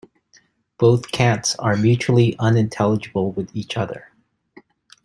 Both cants are mutually unintelligible with each other.